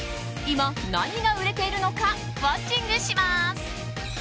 今、何が売れているのかウォッチングします。